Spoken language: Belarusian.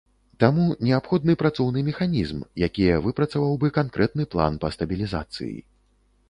Таму, неабходны працоўны механізм, якія выпрацаваў бы канкрэтны план па стабілізацыі.